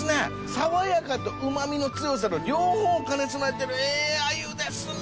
爽やかとうまみの強さの両方を兼ね備えてるええ鮎ですね！